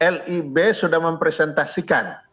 lib sudah mempresentasikan